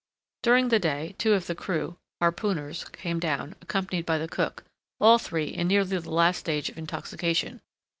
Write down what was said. During the day two of the crew (harpooners) came down, accompanied by the cook, all three in nearly the last stage of intoxication.